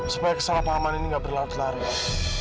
supaya kesalahpahaman ini gak berlarut larut